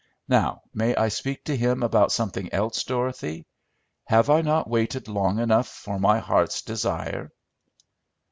Now may I speak to him about something else, Dorothy? Have I not waited long enough for my heart's desire?"